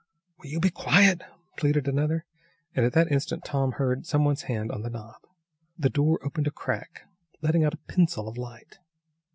"Will you be quiet?" pleaded another, and, at that instant Tom heard some one's hand on the knob. The door opened a crack, letting out a pencil of light.